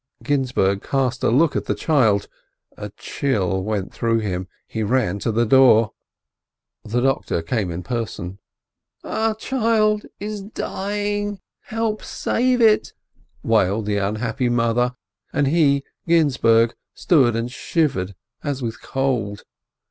Ginzburg cast a look at the child, a chill went through him, he ran to the door. 376 S. LIBIN The doctor came in person. "Our child is dying! Help save it!" wailed the unhappy mother, and he, Ginzburg, stood and shivered as with cold.